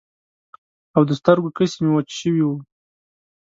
او د سترګو کسی مې وچ شوي وو.